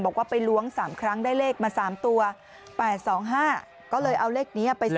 บอกว่าไปล้วงสามครั้งได้เลขมาสามตัวแปดสองห้าก็เลยเอาเลขนี้ไปซื้อ